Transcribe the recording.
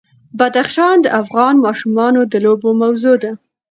بدخشان د افغان ماشومانو د لوبو موضوع ده.